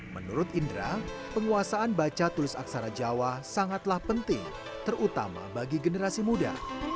menurut indra penguasaan baca tulis aksara jawa sangatlah penting terutama bagi generasi muda